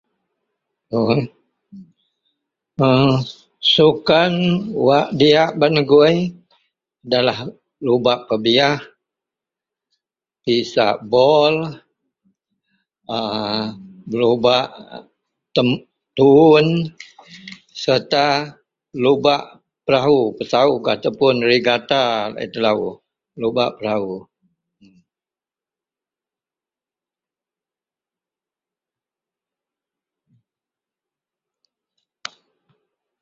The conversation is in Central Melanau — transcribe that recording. Sukan wak diyak bak negui adalah lumbak pebiyah pisak bol a belubak tem tuwon serta lumbak perahu pesawug atau regata laei telo lubak perahu.